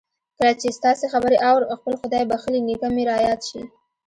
کله چې ستاسې خبرې آورم خپل خدای بخښلی نېکه مې را یاد شي